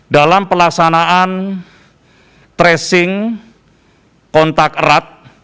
dalam pelaksanaan tracing kontak erat